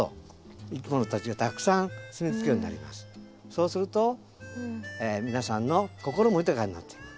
そうすると皆さんの心も豊かになっていく。